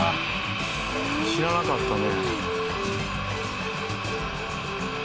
知らなかったね。